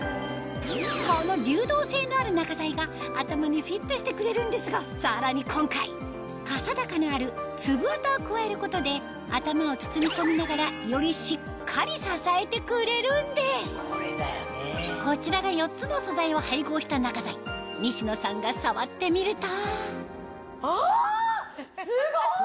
この流動性のある中材が頭にフィットしてくれるんですがさらに今回かさ高のあるつぶわたを加えることで頭を包み込みながらよりしっかり支えてくれるんですこちらが４つの素材を配合した中材西野さんが触ってみるとあすご！